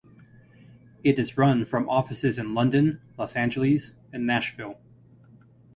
It is run from offices in London, Los Angeles and Nashville.